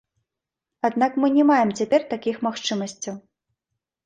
Аднак мы не маем цяпер такіх магчымасцяў.